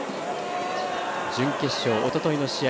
準決勝、おとといの試合